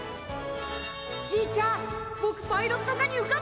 じいちゃんぼくパイロット科に受かったよ！